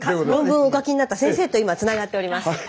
論文をお書きになった先生と今つながっております。